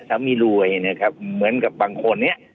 สามีรวยนะครับเหมือนกับบางคนเนี่ย